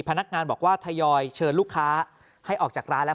พนักงานบอกว่าทยอยเชิญลูกค้าให้ออกจากร้านแล้ว